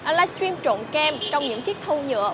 livestream trộn kem trong những chiếc thâu nhựa